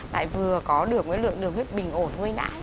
lại vừa có được cái lượng đường huyết bình ổn hơi nãi